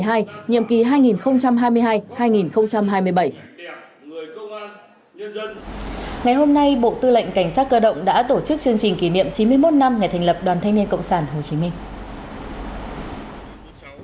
ngày hôm nay bộ tư lệnh cảnh sát cơ động đã tổ chức chương trình kỷ niệm chín mươi một năm ngày thành lập đoàn thanh niên cộng sản hồ chí minh